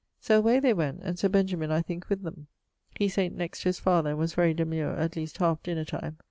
So away they went (and Sir Benjamin, I think, with them). He sate next to his father and was very demure at least halfe dinner time.